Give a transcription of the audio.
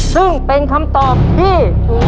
ซึ่งเป็นคำตอบที่